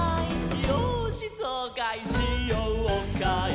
「よーしそうかいしようかい」